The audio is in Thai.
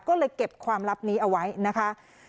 ก็เลยเก็บความลับนี้เอาไว้นะคะ